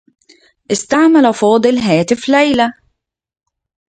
استعمل فاضل هاتف ليلى.